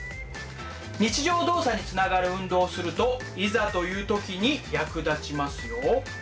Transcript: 日常動作につながる運動をするといざという時に役立ちますよ。